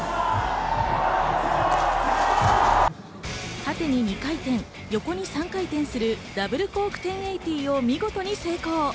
縦に２回転、横に３回転するダブルコーク１０８０を見事に成功。